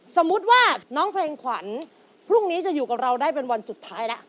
สมมุติว่าน้องเพลงขวัญพรุ่งนี้จะอยู่กับเราได้เป็นวันสุดท้ายแล้ว